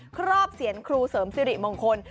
ครอบเสียนครูเสริมสิริมงคล